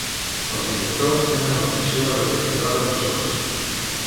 Els inductors tenen la funció de desactivar repressors.